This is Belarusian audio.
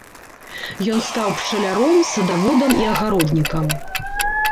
Ён стаў пчаляром, садаводам і агароднікам.